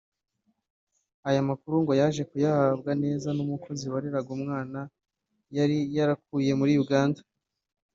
Aya makuru ngo yaje kuyahabwa neza n’umukozi wareraga umwana yari yarakuye muri Uganda